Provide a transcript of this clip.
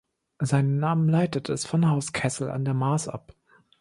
Seinen Namen leitet es von Haus Kessel an der Maas ab.